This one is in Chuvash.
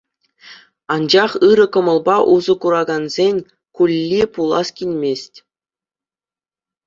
Анчах ырӑ кӑмӑлпа усӑ куракансен кулли пулас килмест...